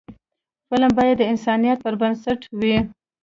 فلم باید د انسانیت پر بنسټ وي